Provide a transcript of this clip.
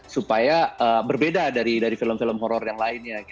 supaya berbeda dari film film horror yang lainnya